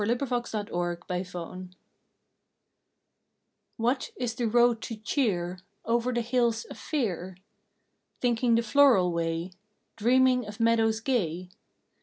October Third THE ROAD \X7HAT is the Road to Cheer VV Over the Hills of Fear? Thinking the floral way. Dreaming of meadows gay.